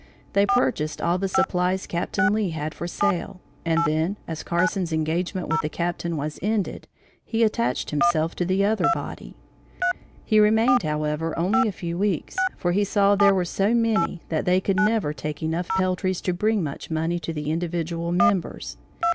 They purchased all the supplies Captain Lee had for sale, and then, as Carson's engagement with the Captain was ended, he attached himself to the other body. He remained, however, only a few weeks, for he saw there were so many that they could never take enough peltries to bring much money to the individual members.